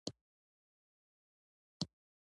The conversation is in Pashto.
دا واقعه بیا په بیزر کې وشوه، زه همالته وم.